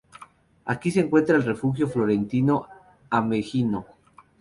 Aquí se encuentra el refugio Florentino Ameghino.